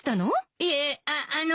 いえあっあのう。